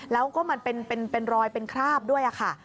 แล้วก็มันเป็นรอยเป็นคราบด้วยค่ะ